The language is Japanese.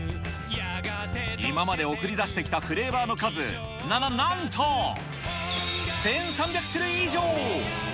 今まで送り出してきたフレーバーの数、な、な、なんと１３００種類以上。